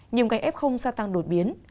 nhiều ngành f gia tăng đột biến